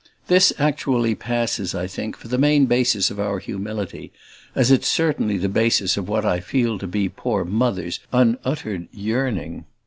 This actually passes, I think for the main basis of our humility, as it's certainly the basis of what I feel to be poor Mother's unuttered yearning.